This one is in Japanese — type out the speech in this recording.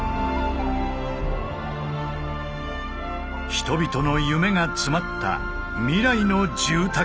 人々の夢が詰まった「未来の住宅」中銀